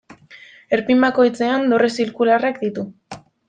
Erpin bakoitzean dorre zirkularrak ditu.